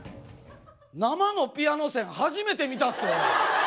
生のピアノ線初めて見たって。